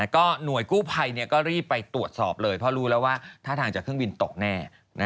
ก็หน่วยกู้ภัยก็รีบไปตรวจสอบเลยเพราะรู้แล้วว่าท่าทางจากเครื่องบินตกแน่